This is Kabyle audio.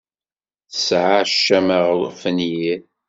Tesɛa ccama ɣef wenyir.